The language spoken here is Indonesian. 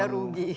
yang ada rugi